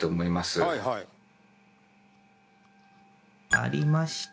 ありました！